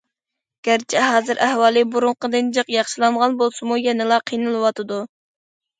گەرچە ھازىر ئەھۋالى بۇرۇنقىدىن جىق ياخشىلانغان بولسىمۇ، يەنىلا قىينىلىۋاتىدۇ.